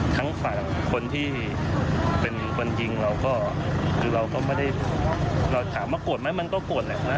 ทั้งฝั่งคนที่เป็นคนยิงเราก็ไม่ได้ถามว่าโกรธไหมมันก็โกรธแหละ